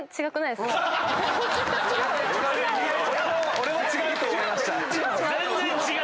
俺も違うと思いました。